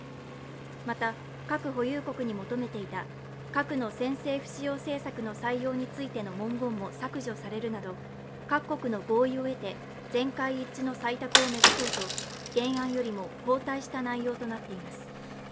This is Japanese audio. また核保有国に求めていた核の先制不使用政策の採用についての文言も文言も削除されるなど、各国の合意を得て全会一致の採択を目指そうと原案よりも後退した内容となっています。